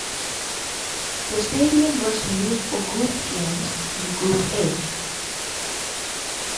The stadium was used for group games in Group A.